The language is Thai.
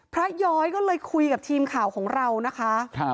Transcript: ย้อยก็เลยคุยกับทีมข่าวของเรานะคะ